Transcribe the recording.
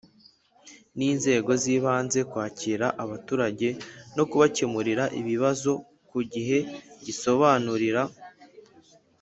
n inzego z ibanze kwakira abaturage no kubakemurira ibibazo ku gihe gusobanurira